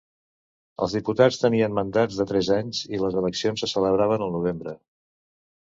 Els diputats tenien mandats de tres anys i les eleccions se celebraven al novembre.